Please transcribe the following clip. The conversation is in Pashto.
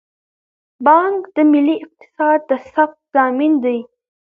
بانک د ملي اقتصاد د ثبات ضامن دی.